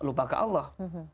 lupa ke allah